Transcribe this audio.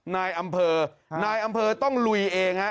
นายอำเภอนายอำเภอต้องลุยเองฮะ